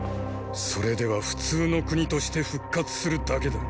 それでは普通の国として復活するだけだ。